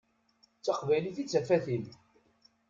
D taqbaylit i d tafat-im.